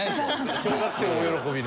小学生が大喜びな。